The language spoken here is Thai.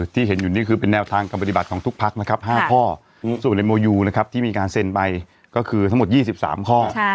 ที่เห็นอยู่นี่คือแนวทางการปฏิบัติของทุกภาค๕ข้อส่วนในโมยูที่มีการเซ็นไปก็คือทั้งหมด๒๓ข้อ